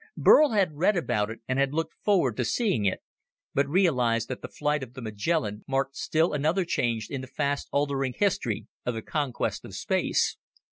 Burl had read about it and had looked forward to seeing it, but realized that the flight of the Magellan marked still another change in the fast altering history of the conquest of space.